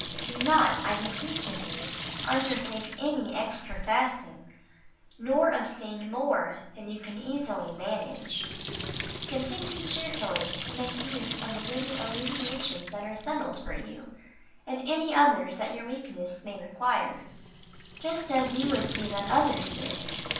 Do not, I beseech of you, undertake any extra fasting nor abstain more than you can easily manage. Continue cheerfully to make use of the little alleviations that are settled for you, and any others that your weakness may require, just as you would see that others did.